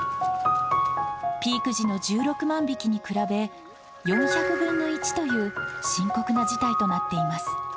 ピーク時の１６万匹に比べ、４００分の１という深刻な事態となっています。